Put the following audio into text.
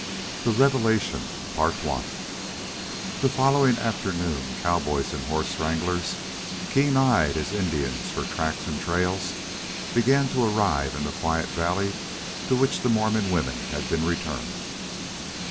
XII. THE REVELATION The following afternoon cowboys and horse wranglers, keen eyed as Indians for tracks and trails, began to arrive in the quiet valley to which the Mormon women had been returned.